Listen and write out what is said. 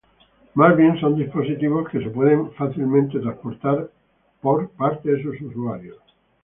Más bien son dispositivos que pueden ser fácilmente transportados por sus usuarios.